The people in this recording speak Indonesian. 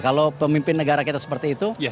kalau pemimpin negara kita seperti itu